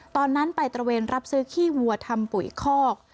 ตอนนั้นไปตระเวนรับซื้อขี้วัวทำปุ๋ยคอก